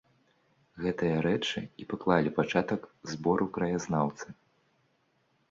Гэтыя рэчы і паклалі пачатак збору краязнаўцы.